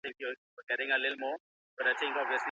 که ټولګی پاک وي نو ذهن ارام وي.